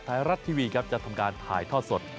ท้ายรัดทีวีจะทำการถ่ายทอดสด